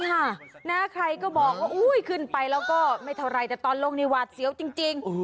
ใครก็บอกว่าอุ้ยขึ้นไปแล้วก็ไม่เท่าไหร่แต่ตอนลงนี่หวาดเสียวจริง